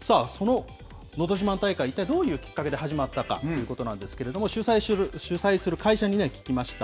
さあ、そののど自慢大会、一体どういうきっかけで始まったかということなんですけども、主催する会社に聞きました。